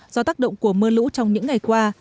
do tác động của mưa lũ trong những ngày qua